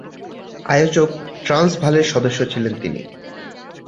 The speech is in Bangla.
আয়োজক ট্রান্সভালের সদস্য ছিলেন তিনি।